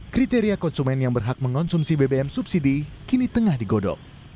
kriteria konsumen yang berhak mengonsumsi bbm subsidi kini tengah digodok